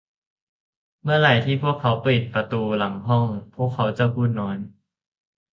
เมื่อไหร่ที่พวกเขาปิดประตูหลังห้อง พวกเขาจะพูดน้อย